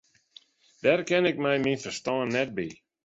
Dêr kin ik mei myn ferstân net by.